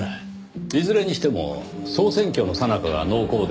いずれにしても総選挙のさなかが濃厚でしょうねぇ。